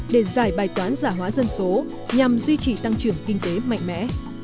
để giải bài toán giả hóa dân số nhằm duy trì tăng trưởng kinh tế mạnh mẽ